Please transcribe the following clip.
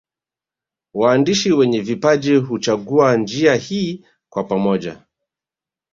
Waandishi wenye vipaji huchagua njia hii kwa pamoja